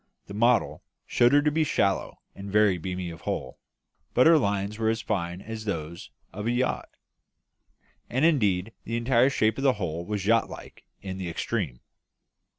The model showed her to be shallow and very beamy of hull; but her lines were as fine as those of a yacht, and indeed the entire shape of the hull was yacht like in the extreme.